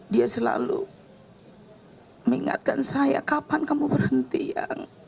dia selalu mengingatkan saya kapan kamu berhenti ya